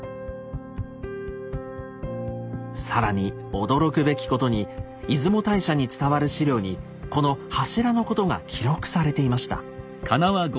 更に驚くべきことに出雲大社に伝わる史料にこの柱のことが記録されていました。